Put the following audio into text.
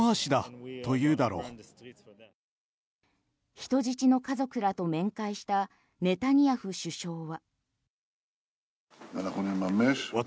人質の家族らと面会したネタニヤフ首相は。